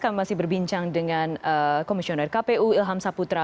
kami masih berbincang dengan komisioner kpu ilham saputra